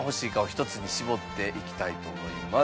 一つに絞っていきたいと思います。